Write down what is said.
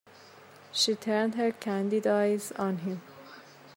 She turned her candid eyes on him.